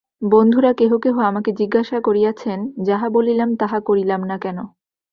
বন্ধুরা কেহ কেহ আমাকে জিজ্ঞাসা করিয়াছেন, যাহা বলিলাম তাহা করিলাম না কেন।